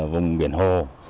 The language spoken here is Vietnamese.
vùng biển hồ